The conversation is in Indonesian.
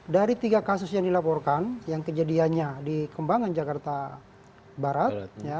dari tiga kasus yang dilaporkan yang kejadiannya di kembangan jakarta barat